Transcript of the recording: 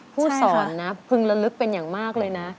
ผู้สอนนะพึงระลึกเป็นอย่างมากเลยนะ